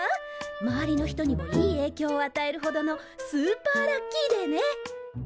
周りの人にもいいえいきょうを与えるほどのスーパーラッキーデーね。